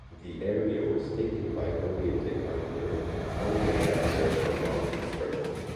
The area was taken by William the Conqueror only after a prolonged struggle.